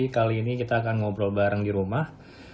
kali ini kita akan ngobrol bareng di rumah